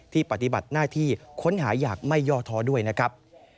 ปฏิบัติหน้าที่ค้นหาอย่างไม่ย่อท้อด้วยนะครับ